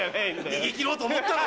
逃げ切ろうと思ったのに。